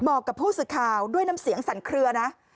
บอกกับผู้สื่อข่าวด้วยน้ำเสียงสั่นเคลือนะ